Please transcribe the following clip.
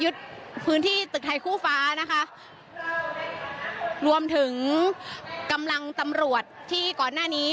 พื้นที่ตึกไทยคู่ฟ้านะคะรวมถึงกำลังตำรวจที่ก่อนหน้านี้